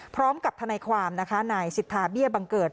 พร้อมกับทนายความนะคะนายสิทธาเบี้ยบังเกิด